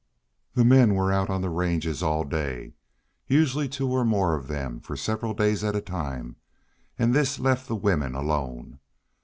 The men were out on the ranges all day, usually two or more of them for several days at a time, and this left the women alone.